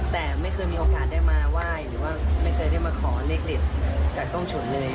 แต่ไม่เคยมีโอกาสได้มาไหว้หรือว่าไม่เคยได้มาขอเลขเด็ดจากส้มฉุนเลย